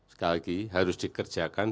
sekali lagi harus dikerjakan